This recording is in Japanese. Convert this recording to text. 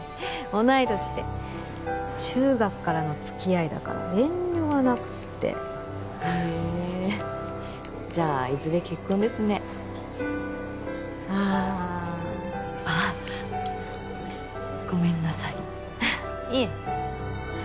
同い年で中学からのつきあいだから遠慮がなくってへえじゃあいずれ結婚ですねああああごめんなさいいえ